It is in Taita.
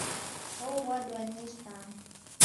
Ow'adwa ni isama